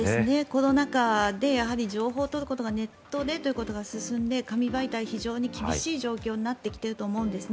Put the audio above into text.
コロナ禍でやはり、情報を取ることがネットでということが進んで紙媒体、非常に厳しい状況になってきていると思うんです。